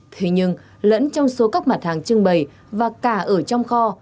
tuy nhiên lẫn trong số các mặt hàng trưng bày và cả ở trong kho